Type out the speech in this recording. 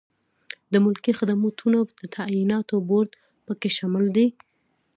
د ملکي خدمتونو د تعیناتو بورد پکې شامل دی.